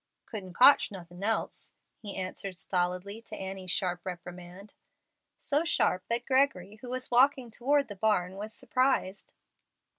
"Couldn't cotch nothin' else," he answered stolidly to Annie's sharp reprimand, so sharp that Gregory, who was walking toward the barn, was surprised.